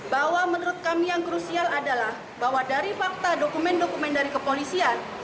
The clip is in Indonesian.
bahwa menurut kami yang krusial adalah bahwa dari fakta dokumen dokumen dari kepolisian